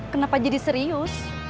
kenapa jadi serius